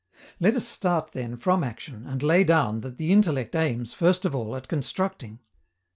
Let us start, then, from action, and lay down that the intellect aims, first of all, at constructing.